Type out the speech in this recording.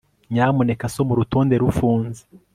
Nyamuneka soma urutonde rufunze